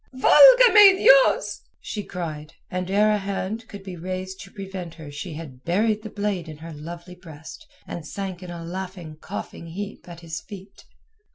"Valga me Dios!" she cried, and ere a hand could be raised to prevent her she had buried the blade in her lovely breast and sank in a laughing, coughing, heap at his feet.